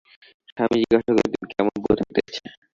স্বামী জিজ্ঞাসা করিতেন, কেমন বোধ হইতেছে।